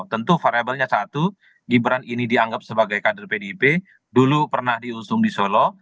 tentu variabelnya satu gibran ini dianggap sebagai kader pdip dulu pernah diusung di solo